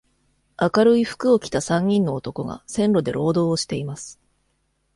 明るい服を着た三人の男が線路で労働をしています。